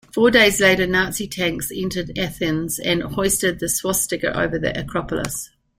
Four days later Nazi tanks entered Athens and hoisted the swastika over the Acropolis.